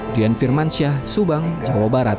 dian firmansyah subang jawa barat